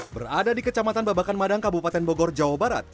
berada di kecamatan babakan madang kabupaten bogor jawa barat